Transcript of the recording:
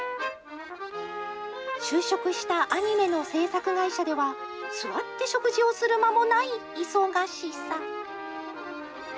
就職したアニメの制作会社では、座って食事をする間もない忙しさ。